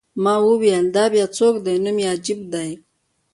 ما وویل: دا بیا څوک دی؟ نوم یې عجیب دی.